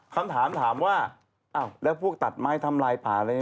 คำถามว่าอ้าวแล้วพวกตัดไม้ทำลายผ่านอะไรอย่างนี้